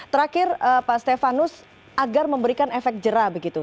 terakhir pak stefanus agar memberikan efek jerah begitu